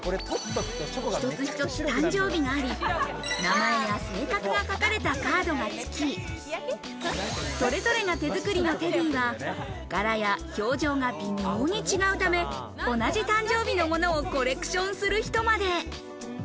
一つ一つ誕生日があり、名前や性格が書かれたカードがつき、それぞれが手作りのテディは柄や表情が微妙に違うため、同じ誕生日のものをコレクションする人まで。